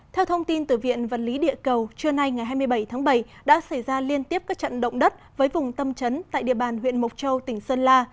theo thông tin từ viện vật lý địa cầu trưa nay ngày hai mươi bảy tháng bảy đã xảy ra liên tiếp các trận động đất với vùng tâm trấn tại địa bàn huyện mộc châu tỉnh sơn la